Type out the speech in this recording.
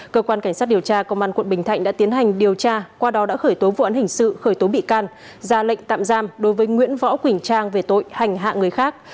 cơ quan cảnh sát điều tra công an quận bình thạnh đã tiến hành điều tra qua đó đã khởi tố vụ án hình sự khởi tố bị can ra lệnh tạm giam đối với nguyễn võ quỳnh trang về tội hành hạ người khác